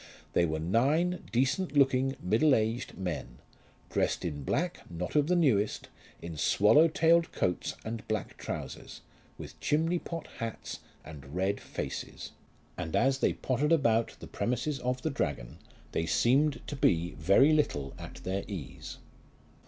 They were nine decent looking, middle aged men, dressed in black not of the newest, in swallow tailed coats and black trousers, with chimney pot hats, and red faces; and as they pottered about the premises of the Dragon they seemed to be very little at their ease.